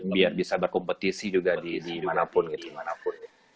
biar bisa berkompetisi juga di manapun gitu